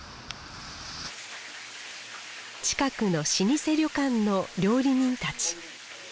近くの老舗旅館の料理人たち。